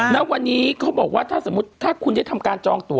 ณวันนี้เขาบอกว่าถ้าสมมุติถ้าคุณได้ทำการจองตัว